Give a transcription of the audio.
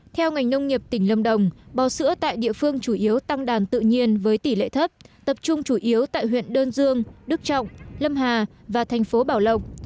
theo ngành nông nghiệp tỉnh lâm đồng bò sữa tại địa phương chủ yếu tăng đàn tự nhiên với tỷ lệ thấp tập trung chủ yếu tại huyện đơn dương đức trọng lâm hà và thành phố bảo lộc